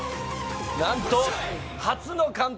なんと初の監督